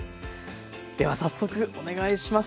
では早速お願いします。